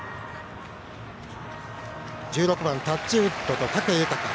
１６番タッチウッドと武豊。